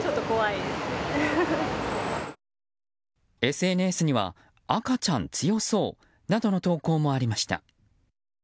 ＳＮＳには赤ちゃん強そうなどの投稿もありました。